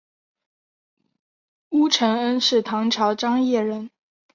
乌承恩是唐朝张掖人。